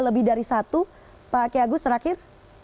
lebih dari satu pak kiagus terakhir